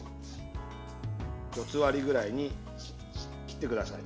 ４つ割りくらいに切ってください。